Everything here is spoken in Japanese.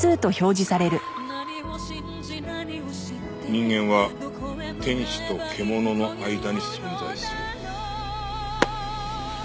「人間は天使と獣の間に存在する」。